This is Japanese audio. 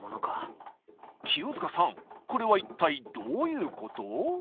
清塚さんこれは一体どういうこと？